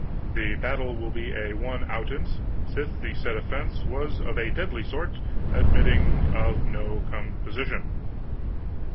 The battle wiil be a l outrance, sith the said offence was of a deadly sort, admitting of no commmon Position.